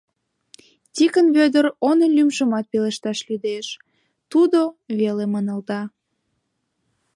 Тикын Вӧдыр онын лӱмжымат пелешташ лӱдеш, «Тудо» веле манылда.